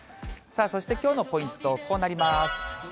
そしてきょうのポイント、こうなります。